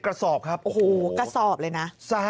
กระสอบครับโอ้โหกระสอบเลยนะ